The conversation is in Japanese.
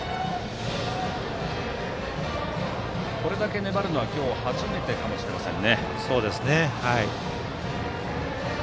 これだけ粘るのは今日初めてかもしれません。